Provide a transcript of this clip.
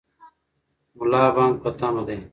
ملا بانګ په تمه دی.